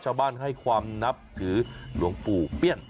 ชาวบ้านให้ความนับถือหลวงปู่เปี้ยน